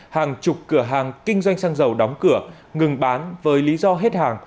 hàng chục cửa hàng kinh doanh xăng dầu đóng cửa ngừng bán với lý do hết hàng